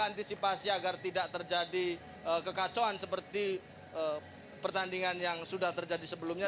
antisipasi agar tidak terjadi kekacauan seperti pertandingan yang sudah terjadi sebelumnya